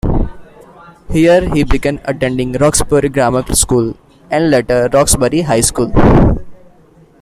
Here he began attending Roxbury Grammar School and later Roxbury High School.